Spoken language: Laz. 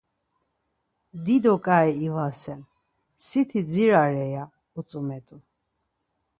Dido ǩai ivasen, siti dzirare ya utzumet̆u.